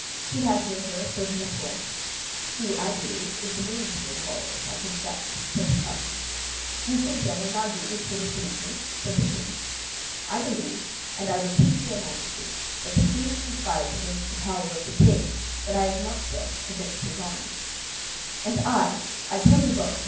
She has near her a certain Laporte." "Who, I believe, is the mainspring of all this, I confess," said the cardinal. "You think then, as I do, that she deceives me?" said the king. "I believe, and I repeat it to your Majesty, that the queen conspires against the power of the king, but I have not said against his honor." "And I—I tell you against both.